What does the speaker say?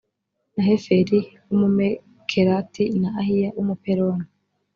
na heferi w umumekerati na ahiya w umupeloni